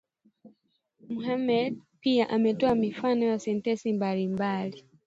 Mohammed pia ametoa mifano ya sentensi mbalimbali